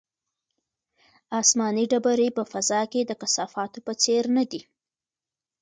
آسماني ډبرې په فضا کې د کثافاتو په څېر نه دي.